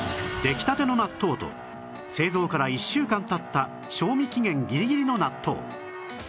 出来立ての納豆と製造から１週間経った賞味期限ギリギリの納豆